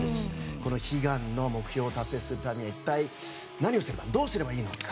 この悲願の目標を達成するためには一体、何をすればどうすればいいのか。